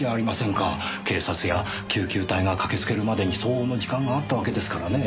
警察や救急隊が駆けつけるまでに相応の時間があったわけですからねぇ。